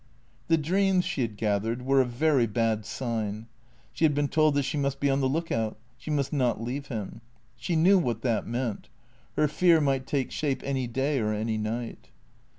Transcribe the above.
The dreams, she had gathered, were a very bad sign. She had been told that she must be on the look out; she must not leave him. She knew what that meant. Her fear might take shape any day or any night.